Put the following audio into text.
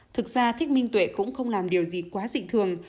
thực ra thích minh tuệ cũng không làm điều gì quá dịnh thường